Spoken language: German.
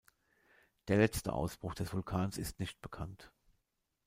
Der letzte Ausbruch des Vulkans ist nicht bekannt.